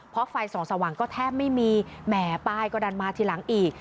เพราะไฟส่องสว่างก็แทบไม่มีแหมป้ายก็ดันมาทีหลังอีก